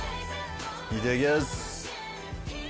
いただきます。